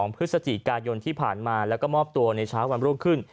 พฤศจิกายนที่ผ่านมาแล้วก็มอบตัวในเช้าวันรุ่งขึ้น